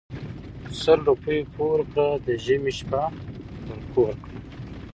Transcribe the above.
سل روپی پور کړه د ژمي شپه په کور کړه .